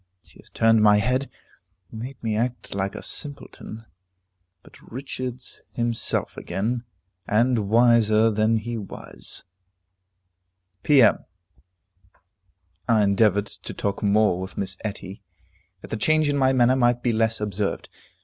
She has turned my head; made me act like a simpleton. But "Richard's himself again," and wiser than he was. P.M. I endeavored to talk more with Miss Etty, that the change in my manner might be less observed.